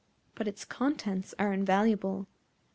But its contents are invaluable.